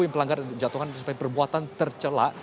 yang pelanggaran jatuhkan sebagai perbuatan tercelak